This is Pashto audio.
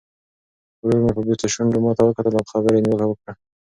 ورور مې په بوڅو شونډو ماته وکتل او په خبرو یې نیوکه وکړه.